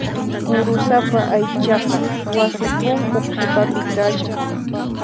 Kurusapa aychaqa wasi punku qhipapi kashan.